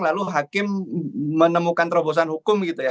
lalu hakim menemukan terobosan hukum gitu ya